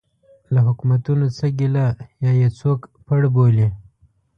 له حکومتونو څه ګیله یا یې څوک پړ بولي.